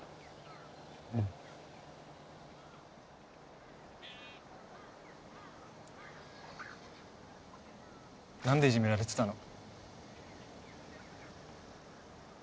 うん何でいじめられてたの？